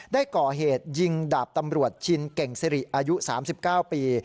ได้ก่อเหตุยิงดาบตำรวจชินเก่งสิริอายุ๓๙ปี